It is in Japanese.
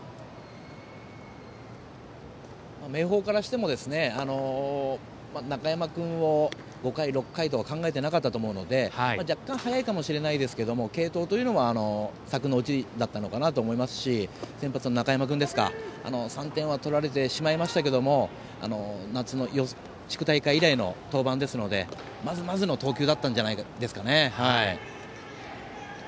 明豊からしても中山君を５回、６回とは考えてなかったと思うので若干早いかもしれないですけど継投というのは策のうちだったのかなと思いますし先発の中山君、３点は取られてはしまいましたけれども夏の地区大会以来の登板ですのでまずまずの投球だったんじゃないでしょうか。